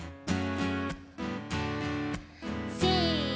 せの。